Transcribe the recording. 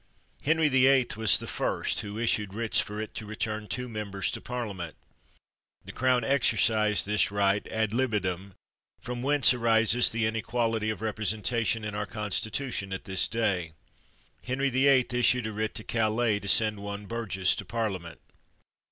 Henry the Eighth was the first who issued writs for it to return two members to Parliament. The Crown exercised this right ad libitum, from whence arises the inequality of representation in our constitution at this day. Henry the Eighth issued a writ to Calais to send one bur gess to Parliament.